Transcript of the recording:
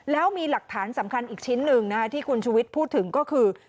แล้วมีหลักฐานสำคัญอีกชิ้นหนึ่งที่คุณชุวิตพูดถึงก็คือ